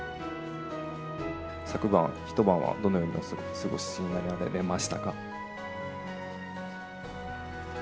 昨晩、一晩はどのようにお過ごしになられましたか？